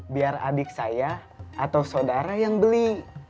biar adik saya atau saudara yang beli